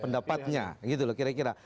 pendapatnya gitu loh kira kira